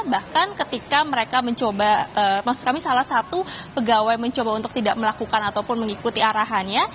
bahkan ketika mereka mencoba maksud kami salah satu pegawai mencoba untuk tidak melakukan ataupun mengikuti arahannya